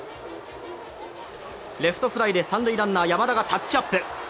レフトフライで３塁ランナー山田がタッチアップ。